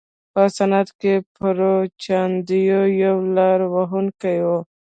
په سند کې پرو چاندیو یو لاره وهونکی و.